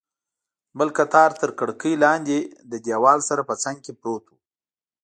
بل قطار تر کړکۍ لاندې، د دیوال سره په څنګ کې پروت و.